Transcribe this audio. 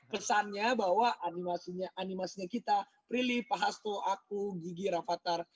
kesannya bahwa animasinya kita prilly pak hasto aku gigi rafatar